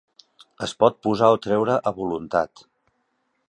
Es pot posar o treure a voluntat.